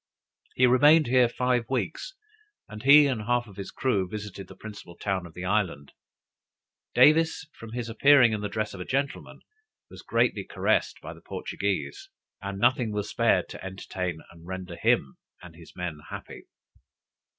He remained here five weeks, and he and half of his crew visited the principal town of the island. Davis, from his appearing in the dress of a gentleman, was greatly caressed by the Portuguese, and nothing was spared to entertain and render him and his men happy.